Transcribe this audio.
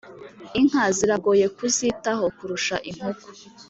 Inka ziragoye kuzitaho kurusha inkoko